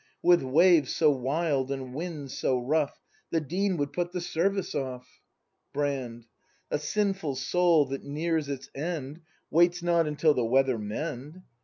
With waves so wild and wind so rough. The Dean would put the service off. Brand. A sinful soul that nears its end Waits not until the weather mend!